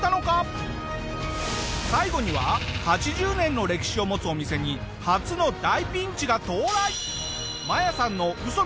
最後には８０年の歴史を持つお店に初の大ピンチが到来！